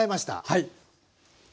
はい。